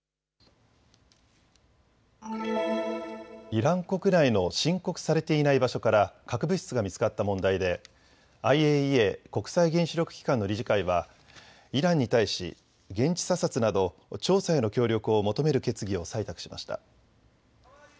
イラン国内の申告されていない場所から核物質が見つかった問題でＩＡＥＡ・国際原子力機関の理事会はイランに対し現地査察など調査への協力を求める決議を採択しました。